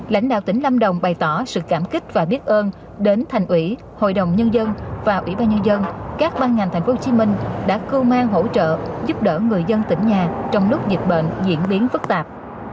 lãnh đạo tỉnh lâm đồng bày tỏ sự cảm kích và biết ơn đến thành ủy hội đồng nhân dân và ủy ban nhân dân các ban ngành tp hcm đã cưu mang hỗ trợ giúp đỡ người dân tỉnh nhà trong lúc dịch bệnh diễn biến phức tạp